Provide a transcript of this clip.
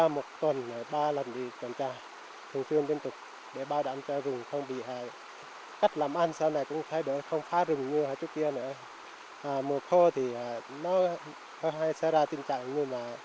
mà mùa khô thì nó hay xảy ra tình trạng như là